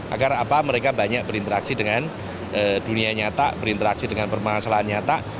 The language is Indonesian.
agar mereka banyak berinteraksi dengan dunia nyata berinteraksi dengan permasalahan nyata